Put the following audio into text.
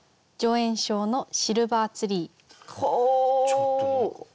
ちょっと何か。